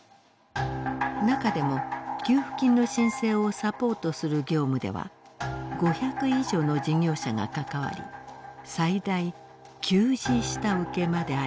中でも給付金の申請をサポートする業務では５００以上の事業者が関わり最大９次下請けまでありました。